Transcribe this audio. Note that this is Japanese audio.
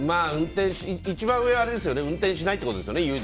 一番上はあれですよね運転しないってことですよね